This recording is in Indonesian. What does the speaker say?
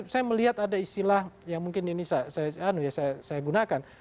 saya melihat ada istilah yang mungkin ini saya gunakan